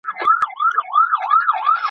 حق هم د چیښاک لري